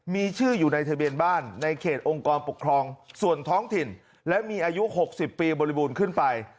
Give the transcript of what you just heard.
มีชื่ออยู่ในทะเบียนบ้านในเขตองค์กรปกครองส่วนท้องถิ่นและมีอายุ๖๐ปีบริบูรณ์ขึ้นไป